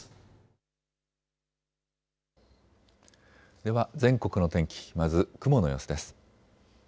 では全国の天気、まず雲の様子です。